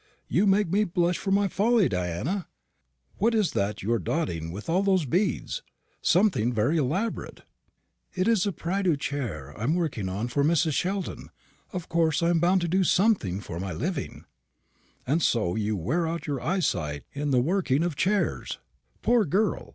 You make me blush for my folly, Diana. What is that you are dotting with all those beads? something very elaborate." "It is a prie dieu chair I am working for Mrs. Sheldon. Of course I am bound to do something for my living." "And so you wear out your eyesight in the working of chairs. Poor girl!